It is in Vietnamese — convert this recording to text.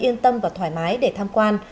yên tâm và thoải mái để tham quan